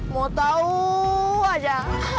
mau tau aja